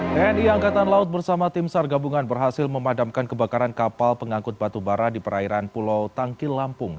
tni angkatan laut bersama tim sar gabungan berhasil memadamkan kebakaran kapal pengangkut batu bara di perairan pulau tangkil lampung